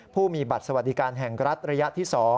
ผู้มีบัตรสวัสดิการแห่งรัฐระยะที่๒